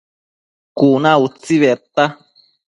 Cuna utsi bedta